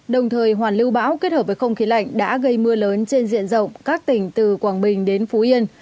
đồng thời hoàn lưu bão kết hợp với không khí lạnh đã gây mưa lớn trên diện rộng các tỉnh từ quảng bình đến phú yên